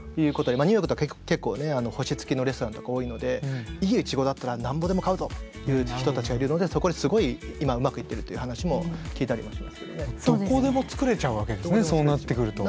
ニューヨークとか結構星付きのレストランとか多いのでいいイチゴだったらなんぼでも買うぞという人たちがいるのでそこですごい今うまくいってるという話も聞いたりもしますけどね。